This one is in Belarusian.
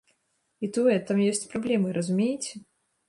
І тое, там ёсць праблемы, разумееце?